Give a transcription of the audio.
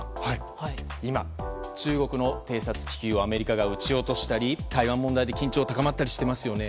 今、中国の偵察気球をアメリカが撃ち落としたり台湾問題で緊張が高まったりしていますよね。